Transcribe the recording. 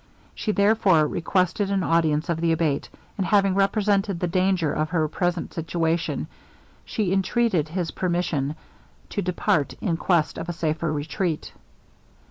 She therefore requested an audience of the Abate; and having represented the danger of her present situation, she intreated his permission to depart in quest of a safer retreat.